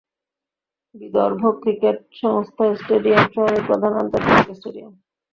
Vidarbha cricket সংস্থা stadium শহরের প্রধান আন্তর্জাতিক স্টেডিয়াম।